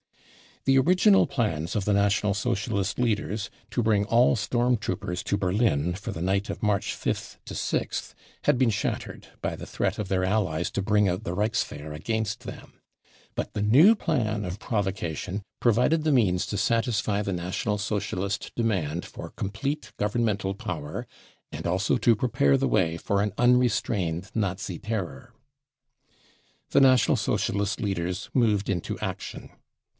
The original plans of the National Socialist leaders* to bring all storm troopers to Berlin for the night of March 5th 6th, had been shattered by the threat of their allies to bring out the Rgichswehr against them ; but the new plan of provo cation provided the means to satisfy the National Socialist demand for complete governmental *power and also to prepare the way for an unrestrained Nazi terror. The National Socialist leaders moved into action.